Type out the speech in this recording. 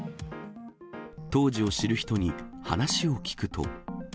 当時を知る人に話を聞くと。